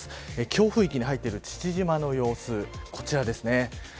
強風域に入っている父島の様子こちらです。